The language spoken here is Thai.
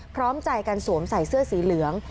พร้อมใจกันสวมใส่เสื้อสีเหลือง